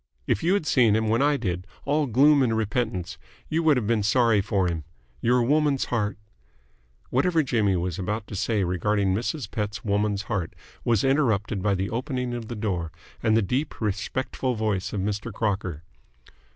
If you had seen him when I did, all gloom and repentance, you would have been sorry for him. Your woman's heart " Whatever Jimmy was about to say regarding Mrs. Pett's woman's heart was interrupted by the opening of the door and the deep, respectful voice of Mr. Crocker.